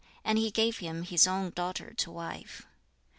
And he gave him his own daughter to wife.